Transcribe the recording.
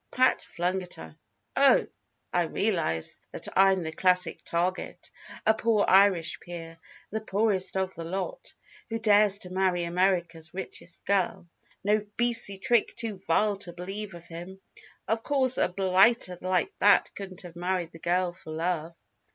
Pat flung at her. "Oh, I realize that I'm the classic target. A poor Irish peer the poorest of the lot! who dares to marry America's richest girl. No beastly trick too vile to believe of him! Of course a blighter like that couldn't have married the girl for love."